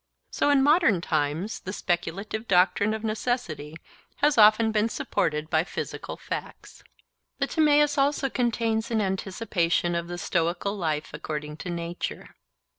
So in modern times the speculative doctrine of necessity has often been supported by physical facts. The Timaeus also contains an anticipation of the stoical life according to nature.